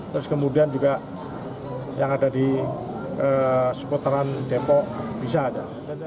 terus kemudian juga yang ada di seputaran depok bisa saja